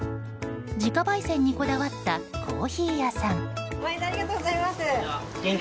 自家焙煎にこだわったコーヒー屋さん。